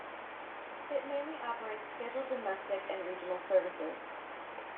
It mainly operates scheduled domestic and regional services.